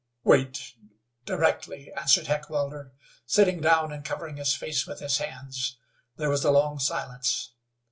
"Wait directly," answered Heckewelder, sitting down and covering his face with his hands. There was a long silence.